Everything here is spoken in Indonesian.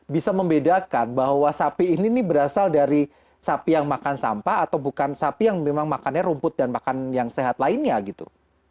bisa membedakan bahwa sapi ini berasal dari sapi yang makan sampah atau bukan sapi yang memang makannya rumput dan makan yang sehat lainnya gitu